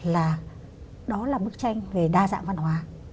là đó là bức tranh về đa dạng văn hóa